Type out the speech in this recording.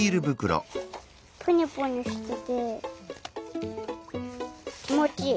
プニュプニュしててきもちいい。